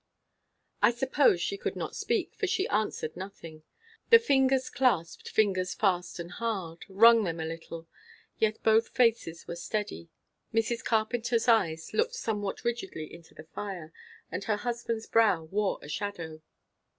I suppose she could not speak, for she answered nothing. The fingers clasped fingers fast and hard; wrung them a little. Yet both faces were steady. Mrs. Carpenter's eyes looked somewhat rigidly into the fire, and her husband's brow wore a shadow.